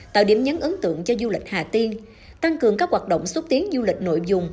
tạo điểm nhấn ấn tượng cho du lịch hà tiên tăng cường các hoạt động xúc tiến du lịch nội dung